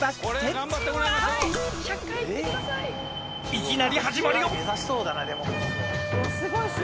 いきなり始まるよ。